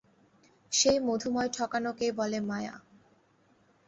সেই মধুময় ঠকানোকেই বলে মায়া।